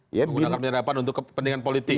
penggunaan penyadapan untuk kepentingan politik